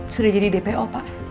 sudah jadi dpo